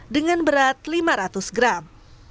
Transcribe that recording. dengan berat lima ratus gram